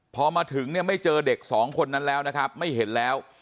พอมาถึงเนี่ยไม่เจอเด็กสองคนนั้นแล้วนะครับไม่เห็นแล้ว